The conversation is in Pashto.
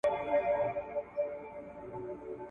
له سدیو انتظاره مېړنی پکښي پیدا کړي `